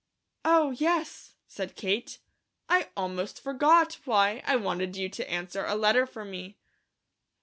"Oh, yes," said Kate, "I almost forgot! Why, I wanted you to answer a letter for me."